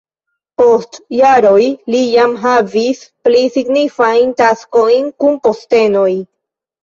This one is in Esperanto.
Post jaroj li jam havis pli signifajn taskojn kun postenoj.